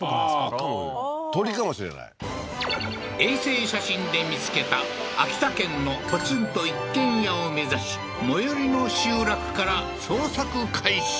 ああー鶏かもしれない衛星写真で見つけた秋田県のポツンと一軒家を目指し最寄りの集落から捜索開始